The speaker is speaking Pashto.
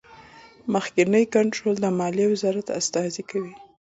مخکینی کنټرول د مالیې وزارت استازی کوي.